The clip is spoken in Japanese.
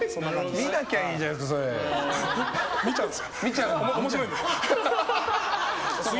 見なきゃいいじゃないですかそれ。